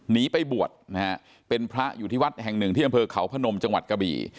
หนีไปบวชนะฮะเป็นพระอยู่ที่วัดแห่งหนึ่งที่อำเภอเขาพนมจังหวัดกะบี่